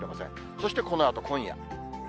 そして、このあと今夜。